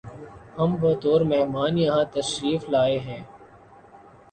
ہم بطور مہمان یہاں تشریف لائے ہیں